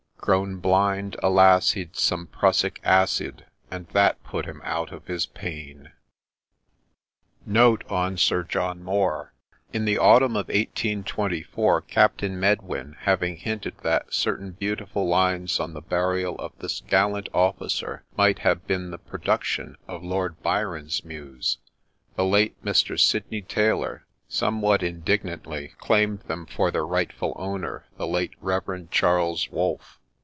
— Grown blind, alas ! he'd Some Prussic Acid, And that put him out of his pain ! NOTE, PAGE 65. In the autumn of 1824, Captain Medwin having hinted that certain beautiful lines on the burial of this gallant officer might have been the production of Lord Byron's Muse, the late Mr. Sydney Taylor, somewhat indignantly, claimed them for their rightful owner, the late Rev. Charles Wolfe.